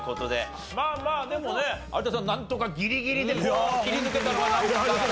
まあまあでもね有田さんなんとかギリギリで切り抜けたのが何問かあったし。